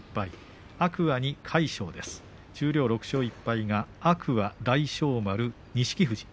十両６勝１敗、天空海、大翔丸錦富士